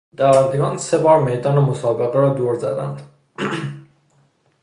دوندگان سه بار میدان مسابقه را دور زدند.